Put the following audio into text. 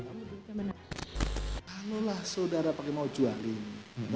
kalulah sodara pakai mau cuah gini